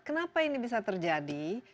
kenapa ini bisa terjadi